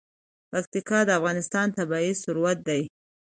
پکتیکا د افغانستان طبعي ثروت دی.